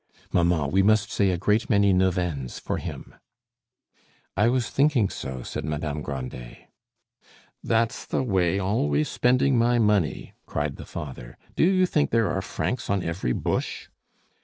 "Mamma, we must say a great many neuvaines for him." "I was thinking so," said Madame Grandet. "That's the way, always spending my money!" cried the father. "Do you think there are francs on every bush?"